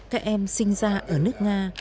các em sinh ra ở nước nga